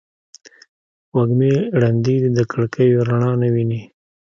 وږمې ړندې دي د کړکېو رڼا نه ویني